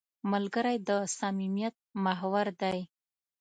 ملګری د صمیمیت محور دی